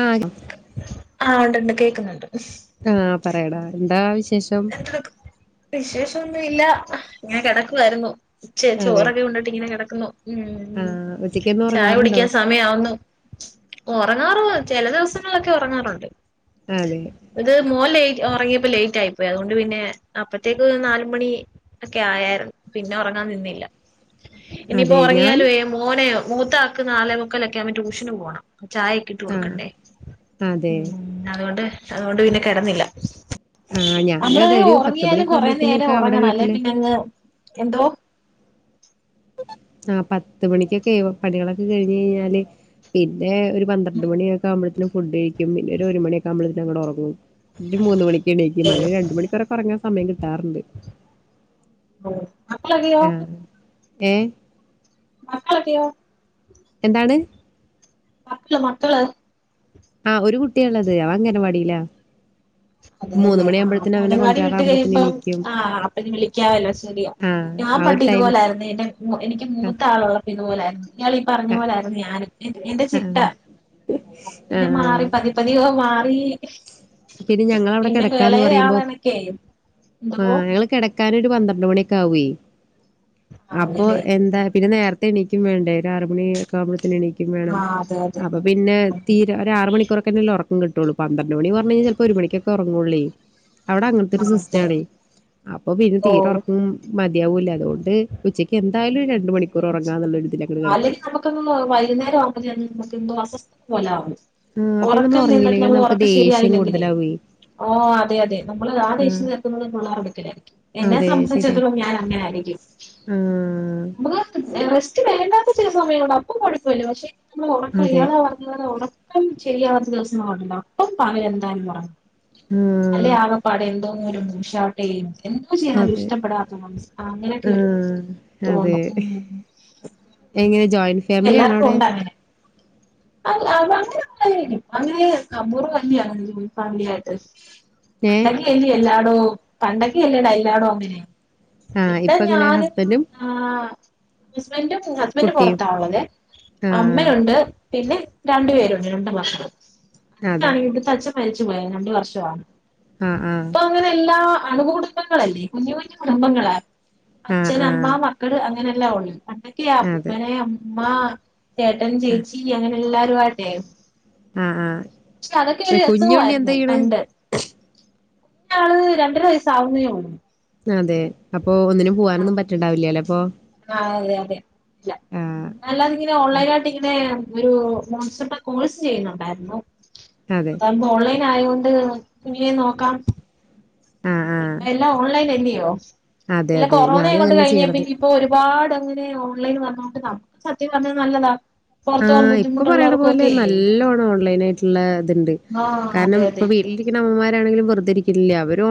ആഹ് കി ആഹ് ഉണ്ട്ണ്ട് കേക്കുന്നുണ്ട് ആഹ് പറയടാ എന്താ വിശേഷം വിശേഷോന്നുവില്ല ഞാൻ കിടക്കുവാരുന്നു ച്ചേ അതെ ചോറൊക്കെ ഉണ്ടിട്ട് ഇങ്ങനെ കിടക്കുന്നു ഉം ആഹ് ഉച്ചക്കൊന്നും ചായ ഉറങ്ങാറുണ്ടോ കുടിക്കാൻ സ മയാവുന്നു ഉറങ്ങാറു ചില ദിവസങ്ങളിലൊക്കെ ഉറങ്ങാറുണ്ട് അതെ ഇത് മോ ലേറ്റ് ഒറങ്ങിയപ്പോ ലേറ്റ് ആയിപ് പോയ്‌ അതുകൊണ്ട് പിന്നെ അപ്പത്തേക്ക് നാലുമണി ഒക്കെ ആയാരുന്നു പിന്നെ ഒറങ്ങാൻ നിന്നില്ല ഇനിപ്പം അതെ ഉറങ്ങിയാല് ഞാന് വേ മോനെ മൂത്താക്ക് നാലെ മുക്കലൊക്കെ ആകുമ്പ ട്യൂഷന് പോണം ചായെ ക്കെ ഇട്ട് ആഹ് കൊടുക്കണ്ടേ അതെ ഉം അതുകൊണ്ട് അതുകൊണ്ട് പിന്നെ കെടന്നില്ല ആഹ് ഞാനും നമ്മള് അതെ ഈ ഒരു പത്ത് ഒറങ്ങിയാലും മണിയൊക്കെ കൊറെ ആകുമ്പോഴത്തേനൊക്കെ നേരം അവിടെ ഒറങ്ങണം അല്ലേ വീട്ടില് പിന്നെ അങ്ങ് എന്തോ ആഹ് പത്ത് മണിക്കൊക്കെ ഏ വു പണികളൊക്കെ കഴിഞ്ഞ് കഴിഞ്ഞാല് പിന്നെ ഒരു പന്ത്രണ്ട് മണിയൊക്കെ ആവുമ്പളത്തിനും ഫുഡ് കഴിക്കും പിന്നെ ഒര് ഒരു മണിയൊക്കെ ആമ്പളത്തിനും അങ്ങട് ഒറങ്ങും ഇല്ല് മൂന്ന് മണി ക്ക്എണീക്കും അങ്ങനെ രണ്ട് മണിക്കൂറൊക്കെ ഒറങ്ങൻ സമയം കിട്ടാറുണ്ട് ഓ രാ ഏഹ് മക്കള ത്തിയോ എന്താണ് മക്കള് മക്കള് ആഹ് ഒരു കുട്ടിയാ ള്ളത് അവൻ അംഗനവാടിലാ അതെ അല്ലെ ആഹ് അവനെ അംഗൻവാടി വിട്ട് കൊണ്ടുവരാറാകുമ്പോഴത്തേനും കഴിയുമ്പം എണീക്കും ആഹ് അപ്പന് വിളിക്കാവല്ലോ ശരിയാ ആഹ് ഞാ ആ ഒരു പണ്ട് ടൈം ഇതുപോലെ ആയിരുന്നേ എന്റെ എനിക്ക് ആ മൂത്ത ആളുള്ളപ്പം ഇതുപോലെ ആയിരുന്നു ഇയാൾ ഈ പറഞ്ഞ ആ പോലെ ആയിരുന്നേ ഞാനും എന്റെ എന്റെ ആ ചിട്ട ആ പിന്നെ മാറി പതിയെപ്പതിയേ ഓ മാറി പിന്നെ ഞങ്ങവിടെ പിന്നെ കെടക്കാന്ന് ഇളയ പറയുമ്പം ആളാണൊക്കെ ആ എന്തോ ഞങ്ങള് കെട ക്കാൻ ഒരു പന്ത്രണ്ട് മണി ഒക്കെ ആവുവേ അപ്പോ ആണല്ലേ എന്താ പിന്നെ നേര തെണിക്കും വേണ്ടേ ഒരു ആറ് മണി ക്കാമ്പത്തിന് എനീക്കും വേണം ആ അതെ അതെ അപ്പോ പിന്നെ തീരെ ഒര് ആറ് മണിക്കൂറ്ഒക്കെന്നല്ലേ ഒറക്കം കിട്ടുള്ളൂ പന്ത്രണ്ട് മണി പറഞ്ഞഴിഞ്ഞാൽ ചെലപ്പോ ഒരു മണിക്ക് ക്കെ ഒറങ്ങുവുള്ളേ അവിടെ അങ്ങനത്തെ ഒരു ആ അതെ സിസ്റ്റാണേ അപ്പ പിന്നെ ഓ തീരെ ഒറക്കും മതിയാവൂല അതുകൊണ്ട് ഉച്ചയ്ക്ക് എന്തായാലും രണ്ട് മണി ക്കൂറ് ഒറങ്ങാന്ന്ളെളാരു ഇതില് അങ്ങട് കെടക്കും ക്ക്ന്നെന്ന് വൈകുന്നരം ആവുമ്പത്തിന് നമുക്ക് എന്തോ അസ്വസ്ഥത പോലെ ആവും ആ പിന്നെ നമ്മൾ ഒറക്കം നിന്നിട്ട് ഉറങ്ങിയില്ലെങ്കിൽ നമ്മള് നമുക്ക് ഒറക്കം ദേഷ്യം ശരിയായില്ലെങ്കിലേ കൂടുതലാവേ ഓ അതെ അതെ നമ്മള് ആ ദേഷ്യം തീർക്കു ന്നത് പിള്ളെരെ അടുക്കലായിരിക്കും എന്നെ അതെ സംബന്ധിച്ചതിലും ഞാൻ അങ്ങനെ ആയിരിക്കും മ് പൊതുവെ റെസ്റ്റ് വേണ്ടാത്ത ചില സമയങ്ങള് അപ്പം കൊഴപ്പില്ല പക്ഷേ ഞമ്മള ഒറക്കം അതെ. ഒഴിയാളാവ [unintelligible] ഉറക്കം ശരിയാവാത്ത ദിവസങ്ങള് ണ്ടോ അപ്പം പകല് എന്താലും ഒറങ്ങും അല്ലെ ആഹ്. ആകപ്പാടെ എന്തോന്നും ഒരു മൂശാട്ടേം എന്തോ ചെയ്യണാലും ഒരു അതെ. ഇഷ്ടപ്പെടാത്തര് വസ്ഥ അങ്ങനെക്കെ ഒരു ആഹ്. അതെ. തോന്നും ഉം എങ്ങനെ ജോയിൻ ഫാമിലി ആണോ അവിടെ അഹ് അഹ് അങ്ങനെ [unintelligible] ഫാമിലി ആയിട്ട് ഏഹ്? [unintelligible] എല്ലാ ടോ പണ്ടക്കെ [unintelligible] എല്ലാടോം അങ്ങനെ ആഹ്. ഇപ്പ എങ്ങനെ ഞാനും ഹസ്ബൻഡും [inaudible] ആഹ് ഹസ്ബൻഡും ഹസ്ബൻഡ് കുട്ടിയും? പൊറത്താ ഉള്ളതേ ആഹ്. അമ്മയുണ്ട് പിന്നെ രണ്ടു പേരുണ്ട് രണ്ടാം [unintelligible] അതെ. അച്ഛാനാണെങ്കി ഇവടുത്ത അച്ഛൻ മരിച്ചു പോയേ രണ്ടു വർഷആണ് ആഹ് ആഹ് അങ്ങനെ എല്ലാ അണു കുടുംബങ്ങളല്ലേ കുഞ്ഞു കുഞ്ഞു കുടുംബങ്ങളാ ആഹ് അച്ഛൻ അമ്മ ആഹ്. മ ക്കൾ അങ്ങനെ എല്ലാ ഉള്ള് പണ്ടൊക്കെ അതെ. അപ്പൂപ്പന് അമ്മൂമാചേട്ടൻ ചേച്ചി അങ്ങനെ എല്ലരുമായിട്ടേ ആഹ് ആഹ്. പക്ഷേ അതൊക്കെ എ ഒരു രസോം കുഞ്ഞുണ്ണി എന്താ ആയിരുന്നു ചെയ്യണ്? പണ്ട് ള യാള് രണ്ടര വയസ്സാവുന്നേ ഒള്ളു അതെ അപ്പോ ഒന്നിനും പുവാനൊന്നും പറ്റ്ണ്ടാവില്ലല്ലേ അപ്പോ ആഹ് അതെ അതെ ഇല്ല അല്ലാതിങ്ങനെ ഓൺലൈൻ ആയിട്ട് ഇങ്ങനെ ഒരു മോൺസർടെ കോഴ്സ് ചെയ്യുന്നുണ്ടായിരുന്നു അതെ. അതാകുമ്പം ഓൺലൈനായോണ്ട് കുഞ്ഞിനേം നോക്കാം ആഹ് ആഹ്. എല്ലാം ഓൺലൈനല്ലിയോ അതെ ഇല്ല അതെ. കൊറോണേ ഞാനും അങ്ങോട്ട് അങ്ങനെ കഴിഞ്ഞേ ചെയ്യണത്. പിന്നെ ഇപ്പോ ഒരുപാടങ്ങനെ ഓൺലൈൻ വന്നോണ്ട് നമുക്ക് സത്യം പറഞ്ഞാ നല്ലതാ പുറത്ത് പോകാൻ ആഹ് ഇപ്പോ പറയണ പോലെ ബുദ്ധിമുട്ടുള്ളവർക്കൊക്കെ നല്ലോണം ഓൺലൈനായിട്ട്ള്ള ഇത്ണ്ട് ആഹ് അതെ കാരണം അതെ ഇപ്പം അതെ വീട്ടിലിരിക്ക്‌ന്ന അമ്മമാരാണെങ്കിലും വെർതേരി ക്കില്ല്യാ അവരും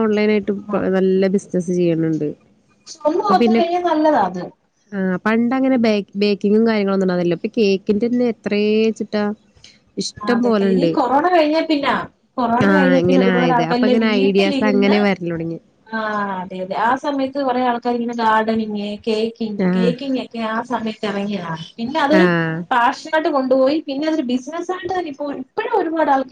ആഹ് ഓൺലൈനായിട്ട്പ്പം നല്ല ബിസിനസ് ചെയ്യണുണ്ട് ഒന്നോർത്ത് കഴിഞ്ഞാ നല്ലതാ അത് ആഹ് പണ്ടങ്ങനെ ബേ ബേക്കിങ്ങും കാര്യങ്ങളൊന്നുംണ്ടാരുന്നില്ലല്ലോ ഇപ്പ കേക്ക് ക്കിന്റെന്നെ എത്രേ വെച്ചിട്ടാ ഇഷ്ടം അതൊക്കെ ഈ പോല്ണ്ട് കൊറോണ കഴിഞ്ഞ പിന്നാ കൊറോണ ആഹ് കഴിഞ്ഞ പിന്നെ ഒരുപാട് ഇങ്ങനായത് ആൾക്കാരില്ലേ അപ്പൊങ്ങനെ ഐഡിയാസ് വീട്ടിലിരുന്ന് അങ്ങനെ വര് ഇതിലൊടങ്ങ്യേ ആഹ് അതെ അതെ ആഹ് സമയത്ത് കൊറേ ആൾക്കാരിങ്ങനെ ഗാർഡനിങ്ങേ കേക്കിങ്ങ് ആ കേക്കിങ്ങേ ക്യാ സമയത്തെറങ്ങിയതാ ആ പിന്നതൊര് പാഷനായിട്ട് കൊണ്ടുപോയി പിന്നതൊരു ബിസിനസ് സായ്ട്ട് തന്നിപ്പോൾ ഇപ്പഴും ഒരുപാടാൾ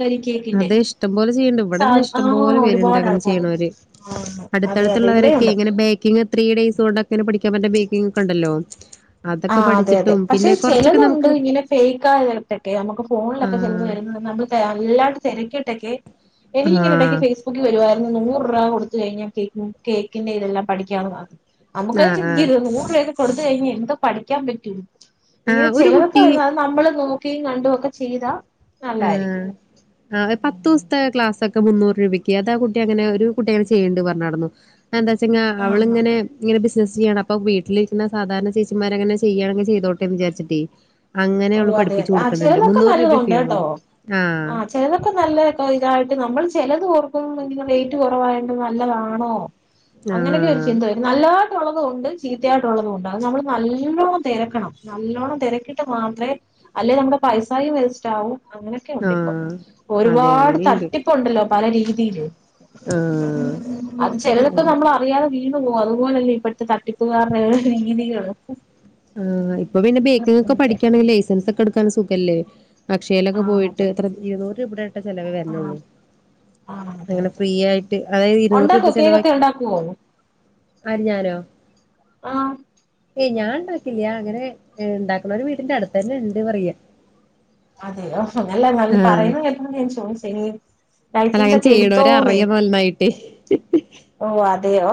അതെ ഇഷ്ടംപോലെ ചെയ്യൺണ്ട് ഇവിടെന്നെ ഇഷ്ടംപോലെ ആഹ് പേര്ണ്ട് ഒരുപാട് അങ്ങനെ ആൾക്കാര് ചെയ്യണവര് ആഹ് അതെ അതെ ഇവിടെയുണ്ട് അടുത്തടുത്തുള്ളവരൊക്കെ ഇങ്ങനെ ബേക്കിംഗ് ത്രീ ഡെയയ്സ് കൊൊക്കെനെ പഠിക്കാൻ പറ്റേ ബേക്കിംഗ ഒക്കെ ഉണ്ടല്ലോ അതൊക്കെ ആഹ് അതെ അതെ പഠിച്ചിട്ടും പക്ഷെ പിന്നെ കൊറച്ചൊക്കെ ചെലതുണ്ട് നമുക്ക് ഇങ്ങനെ ഫെയക്കായതെത്തെക്കെ നമുക്ക് ആ ഫോണിലൊക്കെ ചെലത് വരുന്നത് നമ്മ അല്ലാണ്ട് തെരക്കീട്ടക്കെ ആ എനിക്കിങ്ങെനെടക്ക് ഫേസ് ബുക്കി വരുവാരുന്നു നൂറ് രൂപ കൊടുത്ത് കഴിഞ്ഞാ കേക്ക്‌ങ്ങ് കേക്കിന്റെ ഇതെല്ലാം പഠിക്കാന്ന് പറ ആ അമ്മുക്കത് ആ ചിന്തിക്കര്തോ നൂറുപയൊക്കെ കൊടുത്ത് കഴിഞ്ഞ് എന്ത് പഠിക്കാൻ പറ്റും ആ ഇങ്ങനെ ഒരു ചെലതൊക്കെ കുട്ടി വരുന്ന അത് നമ്മള് നോക്കിം കണ്ടുവൊക്കെ ചെയ്താ നല്ലതാരിക്കും ആഹ് എഹ് പത്തൂസ്ത്തെ ക്ലാസക്കെ മുന്നൂർ രൂപയ്ക്ക് അത് ആഹ് കുട്ടിയങ്ങനെ ഒരു കുട്ടിയങ്ങനെ ചെയ്യൺണ്ട് പറഞ്ഞാർന്നു അതെന്താച്ച്ങ്ങാ ആഹ് അവളിങ്ങനെ ഇങ്ങനെ ബിസിനസ് ചെയ്യാണ് അപ്പം വീട്ടിലിരിക്കുന്ന സാധാരണ ചേച്ചി മാരങ്ങനെ ചെയ്യാണെങ്കി ചെയ്തോട്ടെന്ന് വിചാരിച്ചിട്ടേ അങ്ങനെ അവള് പടിപ്പിച്ച് കൊടുക്കൺണ്ട് മുന്നൂറ് രൂപ ഫീ ത്തോ ആണുള്ളൂ ആ ആഹ് ചെലതൊക്കെ നല്ലതാട്ടോ ഇതായിട്ട് നമ്മൾ ചെലത് ഓർക്കും ഇങ്ങനെ റേറ്റ് കൊറവായോണ്ട് നല്ലതാണോ ആ അങ്ങനെക്കൊര് ചിന്ത വരും നല്ലതായിട്ടൊള്ളതുവൊണ്ട് ചീത്തയായിട്ടൊള്ളതുവൊണ്ട് അത് നമ്മള് നല്ലോണം തെരക്കണം നല്ലോണം തെരക്കീട്ട് മാത്രേ അല്ലേ നമ്മടെ പൈസായും വേസ്റ്റാവും അങ്ങനക്കെ ആ ഒണ്ടിപ്പം അതെ ഒരുപാട് അങ്ങനെയുണ്ട് തട്ടിപ്പൊണ്ടല്ലോ പല രീതീല് ആഹ് അത് ചെലതക്കെ അതെ നമ്മളറിയാതെ വീണ് പോകും അതുപോലല്ലേ ഇപ്പഴത്തെ തട്ടിപ്പുകാർടേ രീതികള് ആഹ് ഇപ്പ പിന്നെ ബേക്കിങ്ങൊക്കെ അതെ പഠിക്കണേ ലൈസൻസൊക്കെ എടുക്കാനും സുഖല്ലേ ആ അക്ഷയിലക്കെ പോയിട്ട് അതെ എത്ര ഇരുന്നൂറ് രൂപേടെട്ടെ ചെലവേ ആ വര്ണൊള്ളൂ ആ അതെ അങ്ങനെ അതെ ഫ്രീ യായിട്ട് അതായത് ഇരുന്നൂറ് രൂപ ഉണ്ടാക്കോ കേക്കൊക്കെ ചെലവാക്കി ഉണ്ടാക്കുവോ ആര് ഞാനോ ആഹ് ഏയ് ഞാന്ണ്ട് ഇല്ല്യാ അങ്ങനെ ഇണ്ടാക്ക്‌ണോര് വീട്ടിന്റടുത്തന്നെണ്ട് പറയാ അതെയോ നല്ല നല്ല ആഹ് പറയുന്നെ കേക്കുന്നോണ്ട് ഞാൻ ചോയിച്ചയാ അല്ല അങ്ങനെ ലൈസൻസൊക്കെ ചെയ്യണോര് എടുത്തോന്നേ അറിയാം നന്നായിട്ട് ഓഹ് അതെയോ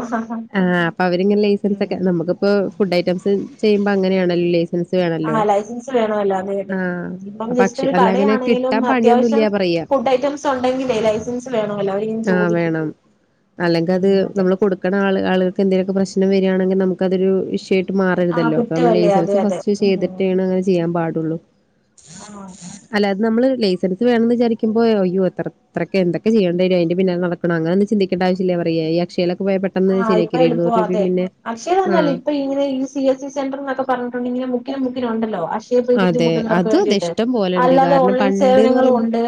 ആഹ് അപ്പൊ അവരിങ്ങ്നെ ലൈസൻസക്കെ ഉം നമുക്കിപ്പോ ഫുഡ്‌ ഐറ്റംസ് ചെയ്യുമ്പോ അങ്ങനെയാണല്ലോ ലൈസ് ൻസ് വേണല്ലോ ആഹ് ലൈസൻസ് വേണമല്ലോ അതെ അതെ ആഹ് ഇപ്പം ജസ്റ്റ് അപ്പക്ഷെ ഒരു അല്ലങ്ങനെ കടയാണെങ്കിലും കിട്ടാൻ അത്യാവശ്യം പണിയൊന്നുംല്ല പറയ്യാ ഫുഡ് ഐറ്റംസ് ഒണ്ടെങ്കിലേ ലൈസൻസ് വേണമല്ലോ അവരിങ്ങനെ ചോദിക്കും ഉം അല്ലെങ്കത് അതെ നമ്മള് കൊടുക്കണ ആള് ആള്കൾക്ക് എന്തേലുവോക്കെ പ്രശ്നം വര്യാണെങ്കി നമുക്കതൊരു ഇഷ്യൂ ആഹ് മാറരുതല്ലോ അപ്പൊ നമ്മള് കുറ്റമല്ലേ അതെ ലൈസൻസ് അതെ ഫസ്റ്റ് ഉം ചെയ്തിട്ടേണ് അങ്ങന ചെയാൻ പാടുള്ളൂ ആഹ് അല്ലാ അത് നമ്മൾ ലൈസെൻസ് വേണംന്ന് വിചാരിക്കുമ്പോ അയ്യോ എത്ര ഇത്രെ ഒക്കെ എന്തൊക്കെ ചെയ്യെണ്ടി വെരും അയിന്റെ പിന്നാലെ നട്ക്കെണം അങ്ങനെ ഒന്നും ചിന്തിക്കെണ്ട ആവ്ശ്യം ഇല്ലാ പറിയെ ഈ അക്ഷയിലൊക്കെ പോയാ പെട്ട് ആഹ് ഇപ്പൊ എളുപ്പവാ അതെ അക്ഷയാന്ന് പർണാൽ ആഹ് ഇപ്പം ഇങ്ങനെ ഈസ് സി എസ് സി സെന്റെർന്നൊക്കെ പർണുട്ടുണ്ടെങ്കിൽ മുക്കിന് മുക്കിന് ഉണ്ടല്ലോ അ ക്ഷയി പോയി അതെ ബുദ്ധിമുട്ടുന്നവർക്ക് അതും അതെ വേണ്ടിട്ട് ഇഷ്ടം പോലെണ്ട് അല്ലാതെ കാരണം ഓൺലൈൻ പണ്ട്ന്ന് സേവനങ്ങളും പറയുമ്പോ ഒണ്ട്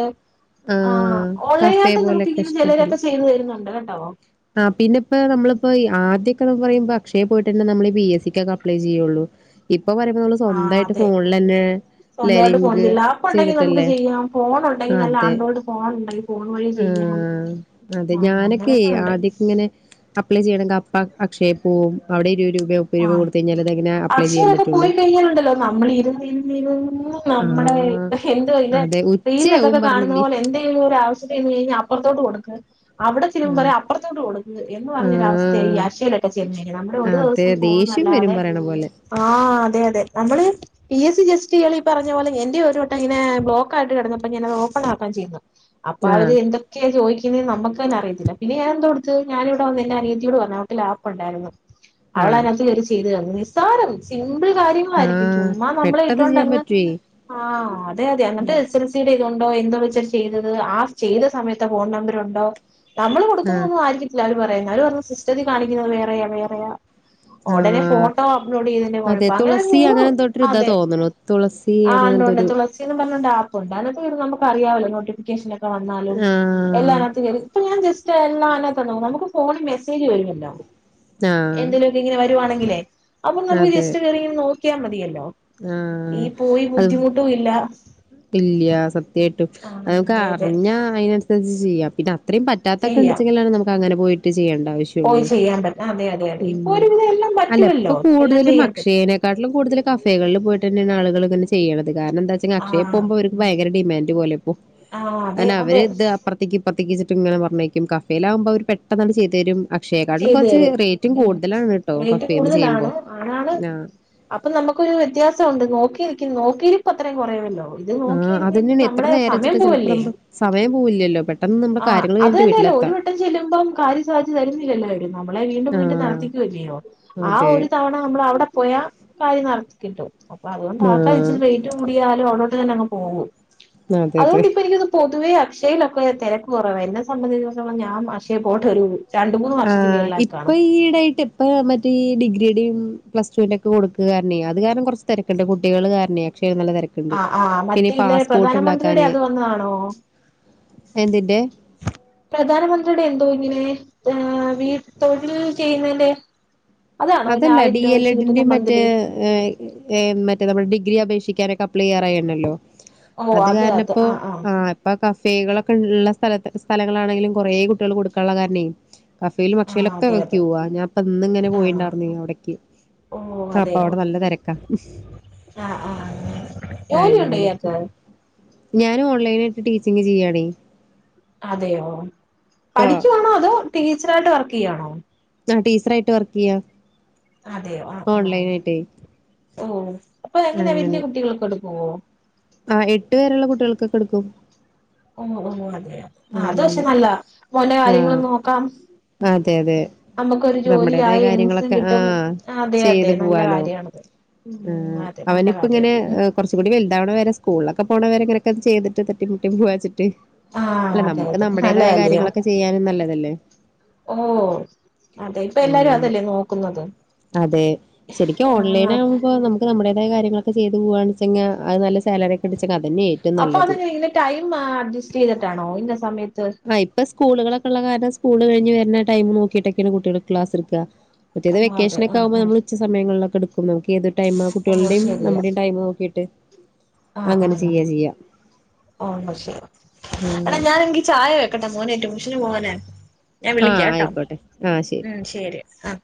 ആഹ് ഓൺലൈൻ കഫേ ആയിട്ട് നമുക്ക് പോലെയൊക്കെ ഇങ്ങനെ ചെലരൊക്കെ ചെയ്ത് തെര്ന്ന് ഇണ്ട് കെട്ടോ ആഹ് പിന്നെ ഇപ്പാ നമ്മൾ ഇപ്പോ ആദ്യൊക്കെ നമ്മക്ക് പറിയിമ്പാ അക്ഷയെ പോയിട്ടെന്നെ നമ്മൾ പി എസ് സി ഒക്കെ അപ്ലെ ചെയ്യൊള്ളു ഇപ്പം പറിമ്പം നമ്മൾ ആഹ് സ്വന്തായിട്ട് അതെ ഫോൺലെന്നെ സ്വന്തമായിട്ട് ഫോൺ ചെയ്യില്ലാ ആപ്പ് ഒണ്ടെങ്കി നമുക്ക് ചെയ്യാം ഫോണു ഉണ്ടെങ്കി നല്ല അതെ ആൻഡ്രോയിഡ് ഫോണ് ഉണ്ടെങ്കി ഫോൺ വഴി ചെയ്യാം ആഹ് ആഹ് അങ്ങനെയൊക്കെ ഉണ്ട് ഇച്ച് ഇങ്ങനെ അപ്ലെ ചെയ്യണെങ്കി അപ്പ അക്ഷയെ പോവും അയുടെ ഇരുവെയ് രൂപ ആവും ആഹ് അക്ഷയ വെരെ പോയി കഴിഞ്ഞാലുണ്ടല്ലോ നമ്മൾ ഇര്ന്ന് ഇര്ന്ന് ഇര്ന്ന് നമ്മടെയ് ആഹ് എന്തോ ഇത് അതെ ഉച്ചയാവും ടിവിലൊക്കെ കാണുന്ന പറഞ്ഞില്ലേ പോലെ എന്തെങ്കിലും ആവ്ശ്യ തിന് ചെന്ന്. കഴിഞ്ഞാ അപ്പർത്തോട്ട് കൊട്ക്ക് അവ്ടെ ചെല്ലുമ്പോ പറയും അപ്പർത്തോട് കൊടുക്ക് എന്ന് പറഞ്ഞ ഒരു അവസ്ഥയെര്ക്കും ഈ ആഹ് ആഷയിലൊക്കെ ചെന്ന് കഴിഞ്ഞാ നമ്മൾ ഒരു ദുവ് അതെ സം പോവുംന്ന് ദേഷ്യം വരും അല്ലാതെ പറയണ പോലെ ആഹ് അതെ അതെ നമ്മൾ പി എസ് സി ജസ്റ്റ് ഇയാൾ ഈ പറഞ്ഞ പോലെ എന്റെ ഒര് വട്ടം ഇങ്ങനെ ബ്ലോക്കായിട്ട് കടന്നപ്പോ ഞാന് അത് ഓപ്പൺക്കാൻ ചെ ന്നു അപ്പ അവര് ആഹ് എന്തൊ ക്കെയാണ് ചോയിക്കുന്നെ നമ്മക്കെന്നെ അറയിത്തില്ല പിന്നെ ഞാൻ എന്ത് കൊട്ത്ത് ഞാൻ ഇവടെ വന്ന് എന്റെ അനിയത്തിയോട് പറഞ്ഞു അവൾക് ലാപ് ഉണ്ടായിരുന്നു അവൾ ആഹ് അയിനകത്ത് കെറി ചെയ്ത് തന്ന്. നിസ്സാരം സിമ്പിൾ കാര്യങ്ങളായിരിക്കും ആഹ് ചുമ്മാ നമ്മളെ പെട്ടെന്ന് ഇട്ടോണ്ട് ചെയ്യാൻ അങ്ങ് പറ്റുവേ ആഹ് അതെ അതെ അങ്ങൻത്തെ [unintelligible] ത്തിരി കൊണ്ടോയ് എന്തോ വെച്ചാ അവര് ചെയ്തത് ആ ചെയ്ത്? സമയത്തെ ഫോൺ നമ്പർ ഉണ്ടോ? നമ്മൾ കൊട്ക്കുന്നെ ആഹ് ഒന്നും ആയിരിക്കത്തില്ല അവര് പറയ്ന്നെ. അവര് പറഞ്ഞു സിസ്റ്റത്തി കാണിക്കുന്നെ വേറെയാ വേറെയാ ഉടനെ ആഹ് ഫോട്ടോ അപ്ലോഡ് ചെയ്തതിന്റെ അതെ കുഴപ്പം തുളസി നൂറ് അങ്ങനെ എന്തോട്ട് ഒര് ഇതാ അതെ തോന്നുണു. തുളസി അങ്ങനെ എന്തൊരു സിന്നും പർണോണ്ട് ആപ്പ് ഇണ്ട് അതൊക്കെ നമുക്ക് അറിയാവല്ലോ നോട്ടിഫിക്കേഷൻ ഒക്കെ വന്നാലും എല്ലാം ആഹ് അയിനകത്ത് കേറി ഇപ്പൊ ഞാൻ ജസ്റ്റ് എല്ലാം അയിനകത്ത് നോക്കും നമുക്ക് ഫോണിൽ മെസ്സെജ് വരുവല്ലോ ആഹ് എന്തേലൊക്കെ ഇങ്ങനെ വരുവാണെങ്കിലെ അപ്പൊ നമുക്ക് അതെ ജസ്റ്റ് കേറി ഇങ്ങനെ നോക്കിയാ മതിയല്ലോ. ഈ ആഹ് പോയി ബുദ്ധിമുട്ടും ഇല്ലാ ഇല്ല്യാ സത്യാ ആയിട്ടും ഹ് നമുക്ക് അതെ അതെ അറിഞ്ഞാ അയിന് സെര്ച്ച് ചെയ്യാം പിന്നെ അത്രിം പറ്റാത്തൊക്കെ ചെയ്യാം ഇണ്ട്ച്ചെങ്കിലാണ് നമ്മക്ക് അങ്ങനെ പോയിട്ട് ചെയ്യെണ്ട ആവശ്യം. പോയി പിന്നെ ചെയ്യാൻ പറ്റും അതെ അതെ അതെ ഇപ്പൊ പിന്നെ ഒരുവിധം എല്ലാം അല്ല ഇപ്പ പറ്റുമല്ലോ എല്ലാം കൂട്തെലും ചെയ്യാൻ പറ്റും അക്ഷയെനെ ക്കാട്ട്ലും കൂട്തെൽ കഫെകൾൽ പോയിട്ടെന്നെയാണ് ആൾകൾ ഇങ്ങനെ ചെയ്യ്ണത്. കാരണം ബന്താച്ചെങ്കി ആ അക്ഷയെ പോവുമ്പോ ഓര് ഭയങ്കര ഡിമാന്റ് പോലെ ഇപ്പോ. ആ അതെ അങ്ങനെ അവര് അതെ ഇത് അപ്പർ ത്തേക്ക് ഇപ്പർത്തേക്കിച്ച്ട്ട് ഇങ്ങനെ പർണെയ്ക്കും കഫേലാവുമ്പോ അവര് പെട്ടെന്നാണ്ട് ചെയ്തെരും അ ക്ഷയെക്കാട്ടിലും ചെയ്തു കൊർച്ച് തരും റേറ്റും ഉം കൂട്തലാൺട്ടോ റേറ്റ് കഫെന്ന് ചെയ്യുമ്പോ. കൂടുതലാണ് ആണാണ് ആഹ് അപ്പൊ നമ്മക്കൊരു വ്യത്യാസം ഉണ്ട് നോക്കിയിരിക്കും നോക്കിയിരിപ്പ് അത്രേം കൊറയോല്ലോ ഇത് നോക്കി ആഹ് ഇര്ന്ന് ഇര്ന്ന് അതന്നെയാണ് എത്ര നമ്മടെ നേരം സമയം വെച്ചിട്ടാ പോവ ചിലപ്പോ അല്ലെ? നമ്മള് സമയം പോവ് ഇല്ലല്ലോ പെട്ട ആഹ് അത് തന്നെ അല്ലോ ഒര് വട്ടം ചെല്ലുമ്പോം കാര്യം സാധിച്ച് തരുന്നില്ലല്ലോ ഇവെര് നമ്മളെ വീണ്ടും വീണ്ടും നട് ആഹ് ത്തിക്കു വല്ലോ ആ അതെ ഒരു തവണ നമ്മൾ അവ്ടെ പോയാ കാര്യം നടത്തികിട്ടും അപ്പൊ അതുകൊണ്ട് ആൾക്കാര് ആഹ് ഇച്ചിരി റൈറ്റ് കൂടിയാലും അവ്ടോട്ട് തന്നെ അങ്ങ് പോകും അതെ അതെ അതുകൊണ്ട് ഇപ്പ എനിക്ക് തോന്നുന്നു പൊതുവെ അക്ഷയയിലൊക്കെ തെര കൊറവാ എന്നെ സംബന്ധിച്ചിടത്തോളം ഞാം അക്ഷയെ പോട്ടെ [unintelligible] ആഹ് ഇപ്പൊ ഈയിടായിട്ട് ഇപ്പ മറ്റേ ഈ ഡിഗ്രിടിം പ്ലസ് ടുന്റോ ഒക്കെ കൊട്ക്ക കാരണെ അത് കാരണം കൊറച്ച് തെരക്ക്ണ്ട് കുട്ടികള് കാരണെയ് അക്ഷയേല് നല്ല തെരക്ക് ആഹ് ആഹ് മറ്റി ഇല്ലേ പ്രധാനമന്ത്രിയുടെ അത് വന്ന്‌ കാണോ എന്തിന്റെ പ്രധാനമന്ത്രിയുടെ എന്തോ ഇങ്ങനെ വീട്ട് തൊഴിൽ ചെയ്യുന്നേന്റെ അതണോ നാ യിം രൂപ വെച്ച് കിട്ടുന്ന മന്ത്ലി ഏയ് ഏയിം മറ്റേ നമ്മള് ഡിഗ്രി അപേക്ഷിക്കാനൊക്കെ അപ്ലൈയറായണല്ലോ അത് കാരണ ഇപ്പോ ആഹ് ഇപ്പൊ കഫേകളൊക്കെ ഇള്ള സ്ഥല സ്ഥലങ്ങളാണെങ്കിലും കൊറേ കുട്ട്യാള് കൊട്ക്കാള്ള കാരണെ കഫേലും ആഹ് അക്ഷയിലൊക്കെ അതെ അതെ ക്യൂ വാ ഞാപ്പ ഇന്ന് ഇങ്ങനെ പോയിണ്ട ആഹ് അവിടക്ക് ഓഹ് ആ അപ്പൊ അതെയോ അവിടെ നല്ല തെരക്കാ ആഹ് ആഹ് ജോലി ഉണ്ടോ അങ്ങനെ ഇയാക്ക് ഞാൻ ഓൺലൈനായിട്ട് ടീചിങ് ചെയാണെ അതെയോ ട്ടോ പഠിക്കുവാണോ അതോ ടീച്ചറായിട്ട് വർക്ക് ചെയാണോ ആഹ് ടീച്ചറായിട്ട് വർക്ക് ചെയ്യാ അതെയോ ആഹ് ആഹ് ഓൺലൈനായിട്ടേ ഓഹ് അപ്പൊ എങ്ങനെ വലിയ കുട്ടികളൊക്കെ എടുക്കുവോ ആഹ് എട്ടു വരെള്ള കുട്ടികൾക്കൊക്കെ എടുക്കും ഓഹ് ഓഹ് അതെതെ ആഹ് അത് പക്ഷെ അങ്ങനെ നല്ലതാ മോന്റെ കാര്യങ്ങളും ആഹ് നോക്കാം അതെ അതെ നമുക്കൊരു നമ്മുടേതായ ജോലിയായി ഏൺസും കാര്യങ്ങളൊക്കെ കിട്ടും ആഹ് അതെ അതെ ചെയ്ത് നല്ല പോവാലോ കാര്യാണത് ഉം ആഹ് അതെ നല്ല അവനിപ്പ കാര്യം ഇങ്ങനെ കൊറച്ച് കൂടി വുതാവണ വരെ സ്കൂളിലൊക്കെ പോണേരെങ്ങനൊക്കെ ചെയ്തിട്ട് തട്ടി മുട്ടി പോവാന്ന് വെച്ചിട്ട് ആഹ് അല്ല അതെ നമ്മുക്ക് അതെ നമ്മുടേതായ നല്ലതല്ലയോ കാര്യങ്ങളൊക്കെ ചെയ്യാനും നല്ലതല്ലേ ഓഹ് അഹ് അതെ ശരിക്കും ഓൺലൈൻ ആഹ് ആവുമ്പോ നമുക്ക് നമ്മുടേതായ കാര്ങ്ങളൊക്കെ ചെയ്ത് പോകാണ് വെച്ചെങ്കി അത് നല്ല സാലറി പിടിച്ചക അതന്നെ ഏറ്റവും അപ്പൊ അത് നല്ലത്. ഇങ്ങനെ ടൈം അഡ്ജസ്റ്റ് ചെയ്തിട്ടാണോ ഇന്നെ സമയത്ത് ആഹ് ഇപ്പ സ്കൂളുകളൊക്ക ഉള്ള കാരണം സ്കൂള് കഴിഞ് വരുന്ന ടൈം നോക്കിയിട്ടൊക്കെയാണ് കുട്ടികൾ ക്ലാസ്ടുക്കുക പറ്റേത് ആഹ് അതെ വക്കേഷനൊക്കെ ആഹ് ആവുമ്പോ നമ്മള് ഉ സമയങ്ങളിലക്കെ എടുക്കും അപ്പ നമുക്ക് ഏത് ടൈം ആഹ് ഓ കുട്ടികളുടെയും ശരിയാ നമ്മുടെയും ടൈം നോക്കിയിട്ട് ആഹ് അങ്ങനെ ആഹ് ചെയ്യാ ചെയ്യാ. ഓ ശരി എടാ ആഹ് ഞാനെങ്കി ചായ വെ- ക്കട്ടെ മോന് ട്യൂഷന് പോവാനെ ഞാൻ വിളിക്ക ആഹ് കേട്ടോ ആയിക്കോട്ടെ ആഹ് ശരി. ഉം ശെരി ആഹ്